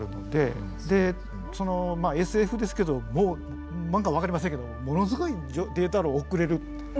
でまあＳＦですけどもう何か分かりませんけどものすごいデータ量を送れる。